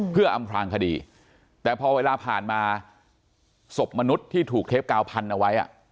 เพื่ออำพลางคดีแต่พอเวลาผ่านมาศพมนุษย์ที่ถูกเทปกาวพันเอาไว้